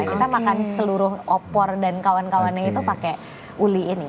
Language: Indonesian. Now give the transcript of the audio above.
kita makan seluruh opor dan kawan kawannya itu pakai uli ini